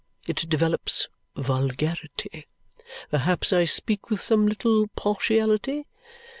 It develops vulgarity. Perhaps I speak with some little partiality.